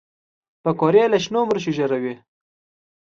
پکورې له شنو مرچو ژړوي